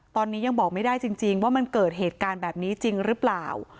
ตอนนี้ยังบอกไม่ได้จริงว่ามันเกิดเหตุการณ์แบบนี้จริงหรือเปล่า